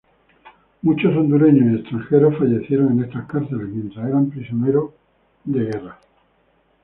Muchos hondureños y extranjeros fallecieron en estas cárceles, mientras eran prisioneros por las guerras.